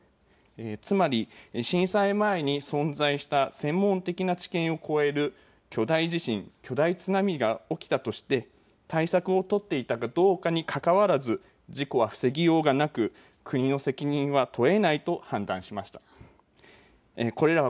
つまり震災前に存在した専門的な知見を超える巨大地震、巨大津波が起きたとして対策を取っていたかどうかにかかわらず事故は防ぎようがなく国の責任は問えないと判断しました。